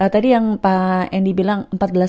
tadi yang pak endi bilang empat belas satu ratus enam puluh dua